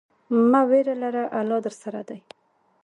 مه ویره لره، الله درسره دی.